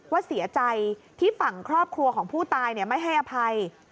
ว่าเสียใจที่ฝั่งครอบครัวของผู้ตายไม่ให้อภัย